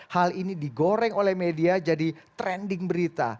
hal ini digoreng oleh media jadi trending berita